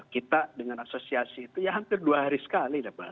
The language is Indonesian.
kita dengan asosiasi itu ya hampir dua hari sekali